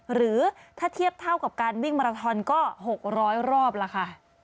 หรือถ้าเทียบเท่ากับการวิ่งมาราทอนก็๖๐๐รอบล่ะค่ะ